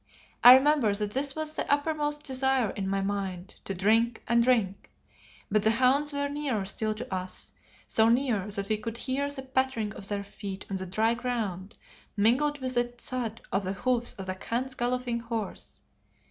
I remember that this was the uppermost desire in my mind, to drink and drink. But the hounds were nearer still to us, so near that we could hear the pattering of their feet on the dry ground mingled with the thud of the hoofs of the Khan's galloping horse.